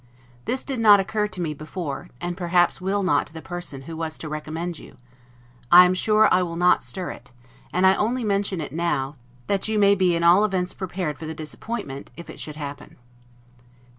This did not occur to me before, and perhaps will not to the person who was to recommend you: I am sure I will not stir it; and I only mention it now, that you may be in all events prepared for the disappointment, if it should happen.